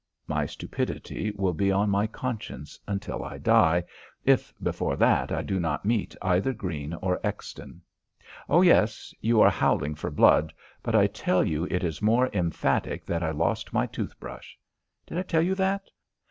My stupidity will be on my conscience until I die, if, before that, I do not meet either Greene or Exton. Oh, yes, you are howling for blood, but I tell you it is more emphatic that I lost my tooth brush. Did I tell you that?